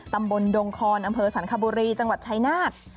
ตำบลดงคอนอำเภอสรรคบุรีจังหวัดชายนาฏ